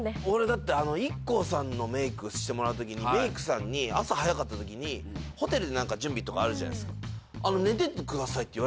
俺だってＩＫＫＯさんのメイクしてもらう時にメイクさんに朝早かった時にホテルでなんか準備とかあるじゃないですか。